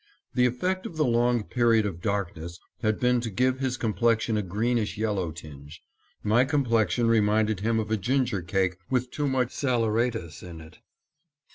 The effect of the long period of darkness had been to give his complexion a greenish yellow tinge. My complexion reminded him of a ginger cake with too much saleratus in it.